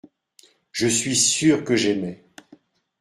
Je suis sûr que j’aimais.